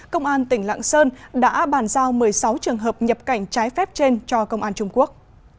công an tỉnh lạng sơn đã bàn giao một mươi sáu trường hợp nhập cảnh trái phép trên cho công an trung quốc